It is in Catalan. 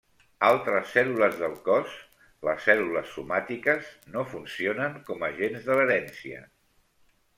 Altres cèl·lules del cos, les cèl·lules somàtiques, no funcionen com agents de l'herència.